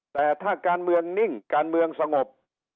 แต่ถ้าการเมืองนิ่งการเมืองสงบ